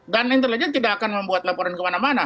dan intelijen tidak akan membuat laporan kemana mana